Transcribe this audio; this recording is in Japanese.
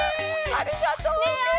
ありがとう！